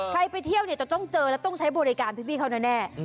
ไปเที่ยวเนี่ยจะต้องเจอและต้องใช้บริการพี่เขาแน่